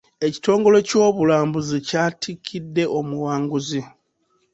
Ekitongole ky'obulambuzi kyatikidde omuwanguzi.